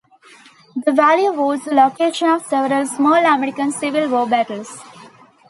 The valley was the location of several small American Civil War battles.